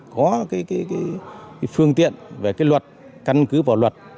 có cái phương tiện về cái luật căn cứ vào luật